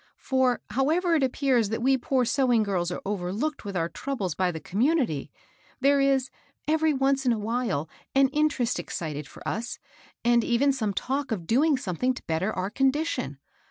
For, however it appears that we poor sewing girls are overlooked with our troubles by the community, there is, every once in a while, an interest excited for us, and even some talk of doing something to better our condition.